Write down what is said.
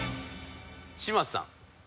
嶋佐さん。